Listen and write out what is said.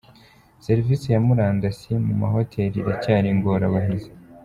Serivisi ya muradasi mu mahoteli iracyari ingorabahizi